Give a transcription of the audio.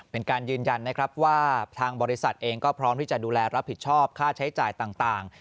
เป็นการยืนยันนะครับว่าทางบริษัทเองก็พร้อมที่จะดูแลรับผิดชอบค่าใช้จ่ายต่าง